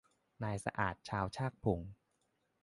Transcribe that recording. นายสะอาดชาวชากพง